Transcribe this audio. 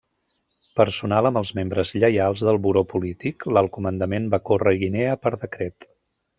Personal amb els membres lleials del Buró Polític, l'Alt Comandament va córrer Guinea per decret.